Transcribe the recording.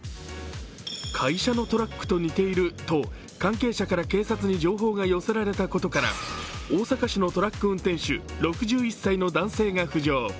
会社のトラックと似ていると、関係者から警察に情報が寄せられたことから、大阪市のトラック運転手６１歳の男性が浮上。